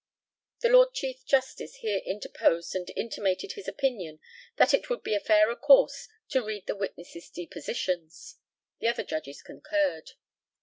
The LORD CHIEF JUSTICE here interposed and intimated his opinion that it would be a fairer course to read the witness's depositions. The other judges concurred.